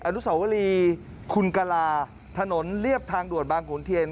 อนุสาวรีคุณกลาถนนเรียบทางด่วนบางขุนเทียน